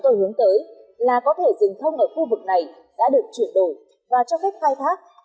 tôi hướng tới là có thể rừng thông ở khu vực này đã được chuyển đổi và cho phép khai thác